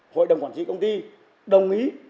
hội đồng quản trị công ty đồng ý